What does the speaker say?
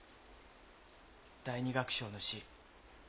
第二楽章の詩。